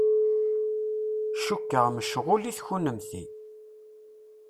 Cukkeɣ mecɣulit kunemt.